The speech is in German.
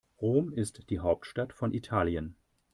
Rom ist die Hauptstadt von Italien.